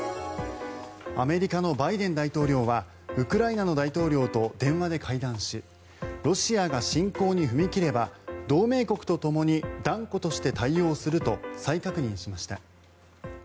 アメリカのバイデン大統領はウクライナの大統領と電話で会談しロシアが侵攻に踏み切れば同盟国とともに断固として対応すると再確認しました。